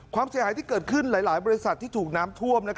ความเสียหายที่เกิดขึ้นหลายบริษัทที่ถูกน้ำท่วม